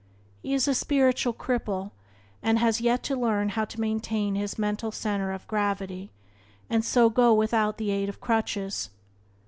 He is a spiritual cripple, and has yet to learn how to maintain his mental centre of gravity, and so go without the aid of crutches.